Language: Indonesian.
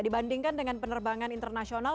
dibandingkan dengan penerbangan internasional